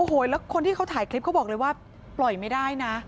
โอ้โหแล้วคนที่เขาถ่ายคลิปเขาบอกเลยว่าปล่อยไม่ได้นะ